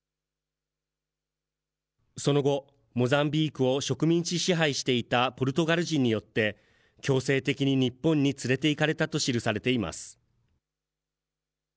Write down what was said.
その後、モザンビークを植民地支配していたポルトガル人によって、強制的に日本に連れていかれたと記されています。